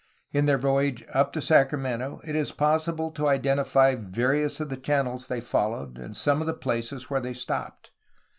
In their voyage up the Sacramento it is possible to identify various of the channels they followed and some of the places where they stopped.